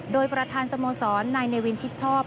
โดยประธานสโมสรนายเนวินชิดชอบ